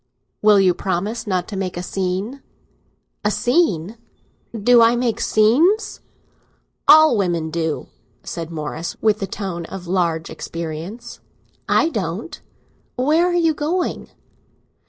"Will you promise not to make a scene?" "A scene!—do I make scenes?" "All women do!" said Morris, with the tone of large experience. "I don't. Where are you going?"